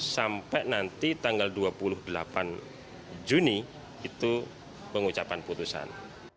sampai nanti tanggal dua puluh delapan juni itu pengucapan putusan